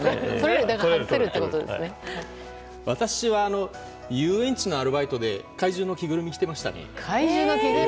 私は遊園地のアルバイトで怪獣の着ぐるみを着ていました。